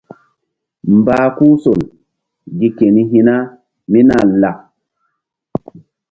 Mbah kuhsol gi keni hi̧na mí nah lak.